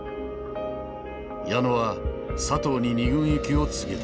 矢野は佐藤に２軍行きを告げた。